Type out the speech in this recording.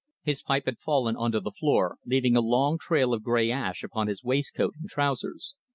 His pipe had fallen on to the floor, leaving a long trail of grey ash upon his waistcoat and trousers.